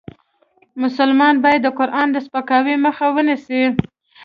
مسلمان باید د قرآن د سپکاوي مخه ونیسي .